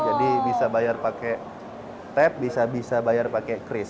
jadi bisa bayar pakai tap bisa bisa bayar pakai kris